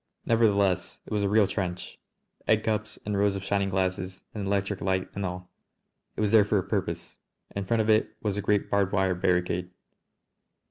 Nevertheless it was a real trench, egg cups and rows of shining glasses and electric light and all. It was there for a purpose. In front of it was a great barbed wire barricade.